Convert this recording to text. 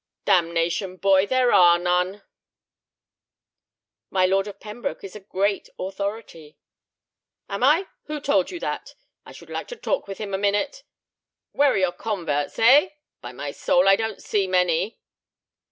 "Damnation, boy, there are none!" "My Lord of Pembroke is a great authority." "Am I? Who told you that? I should like to talk with him a minute. Where are your converts, eh? By my soul, I don't see many!"